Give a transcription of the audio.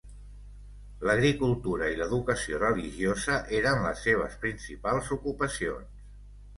L"agricultura i l"educació religiosa eren les seves principals ocupacions.